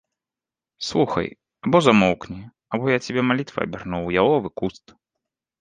Слухай, або замоўкні, або я цябе малітвай абярну ў яловы куст.